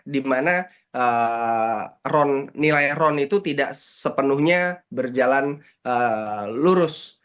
di mana nilai ron itu tidak sepenuhnya berjalan lurus